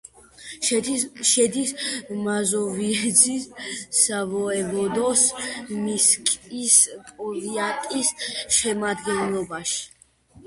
შედის მაზოვიეცის სავოევოდოს მინსკის პოვიატის შემადგენლობაში.